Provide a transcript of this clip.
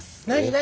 何？